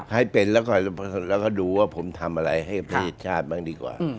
ให้เป็นแล้วก็ดูว่าผมทำอะไรให้ประเทศชาติบ้างดีกว่า